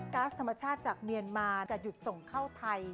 ๊าซธรรมชาติจากเมียนมาจะหยุดส่งเข้าไทย